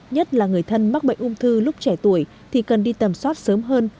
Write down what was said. nhất là người thân mắc bệnh ung thư lúc trẻ tuổi thì cần đi tầm soát sớm hơn